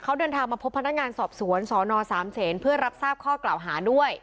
เขาเดินทางมาพบพนักงานสอบสวนสนสามเศษเพื่อรับทราบข้อกล่าวหาด้วย